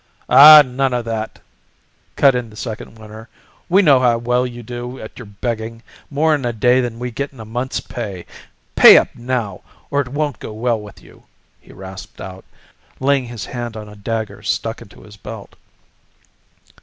"Ah none o' that!" cut in the second winner. "We know how well you do at your begging more in a day than we get in a month's pay. Pay up now, or it won't go well with you," he rasped out, laying his hand on a dagger stuck into his belt.